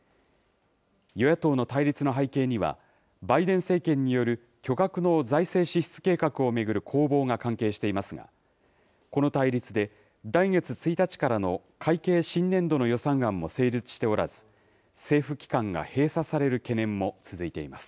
与野党の対立の背景には、バイデン政権による巨額の財政支出計画を巡る攻防が関係していますが、この対立で来月１日からの会計新年度の予算案も成立しておらず、政府機関が閉鎖される懸念も続いています。